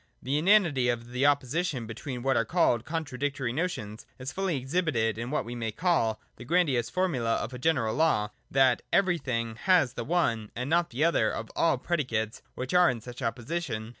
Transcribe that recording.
The inanity of the opposition between what are called contradictory notions is fully exhibited in what we may call the grandiose formula of a general law, that Everything has the one and not the other of all predi cates which are in such opposition.